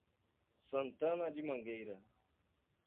Santana de Mangueira